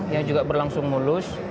yang juga berlangsung mulus